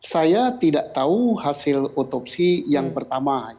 saya tidak tahu hasil otopsi yang pertama